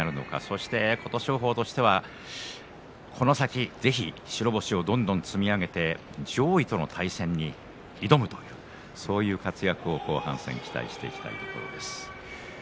若手同士、果たしてどういう取組になるのかそして琴勝峰としてはこの先ぜひ白星をどんどん積み上げて上位との対戦に挑むというそういう活躍を後半戦期待したいと思います。